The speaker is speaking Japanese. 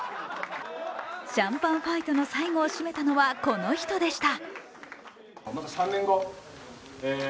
シャンパンファイトの最後を締めたのは、この人でした。